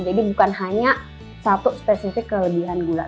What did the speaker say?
jadi bukan hanya satu spesifik kelebihan gula